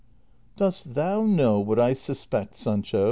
" Dost thou know what I suspect, Sancho